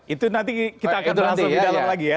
itu nanti kita akan langsung di dalam lagi ya